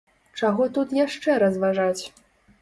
Чаго тут яшчэ разважаць!